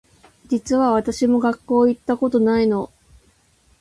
実は私も学校行ったことないの